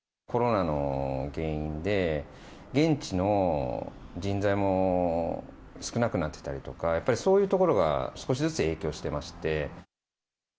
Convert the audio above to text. コロナの原因で現地の人材も少なくなってたりとか、やっぱりそういうところが少しずつ影響してまして。